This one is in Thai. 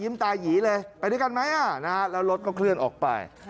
ตายีเลยไปด้วยกันไหมแล้วรถก็เคลื่อนออกไป